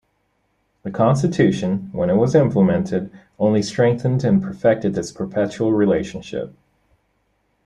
The Constitution, when it was implemented, only strengthened and perfected this perpetual relationship.